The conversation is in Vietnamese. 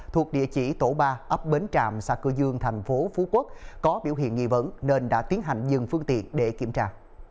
thuộc địa chỉ tổ ba ấp bến trạm xã cửa dương thành phố phú quốc có biểu hiện nghi vấn nên đã tiến hành dừng phương tiện để kiểm tra